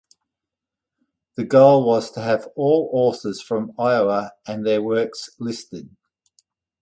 The goal was to have all authors from Iowa and their works listed.